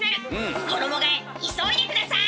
衣がえ急いで下さい！